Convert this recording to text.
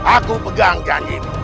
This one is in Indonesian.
aku pegang janji mu